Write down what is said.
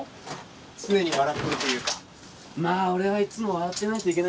常に笑ってるというか。